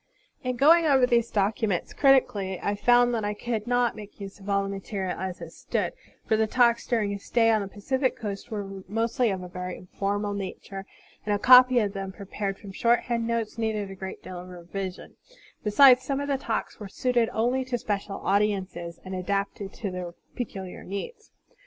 In going over these documents critically, I fotmd that I could not make use of all the material as it stood; for the talks during his stay on the Pacific coast were mostly of a very informal nature, and a copy of them prepared from shorthand notes needed a great deal of revision; besides, some of the talks were suited only to special audiences and adapted to their peculiar needs.